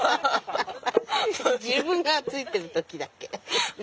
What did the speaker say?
自分がついてる時だけ。